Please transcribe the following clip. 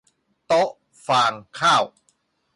โต๊ะฟางข้าว